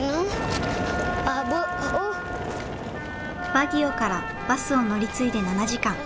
バギオからバスを乗り継いで７時間。